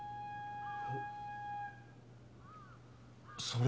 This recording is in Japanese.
それ！